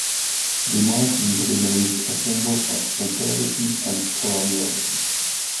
The monarchy remains a symbol of imperialism and colonialism.